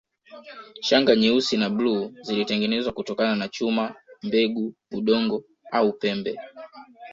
Shanga nyeusi na bluu zilitengenezwa kutokana na chuma mbegu udongo au pembe